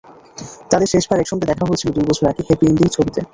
তাঁদের শেষবার একসঙ্গে দেখা গিয়েছিল দুই বছর আগে, হ্যাপি এন্ডিং ছবিতে।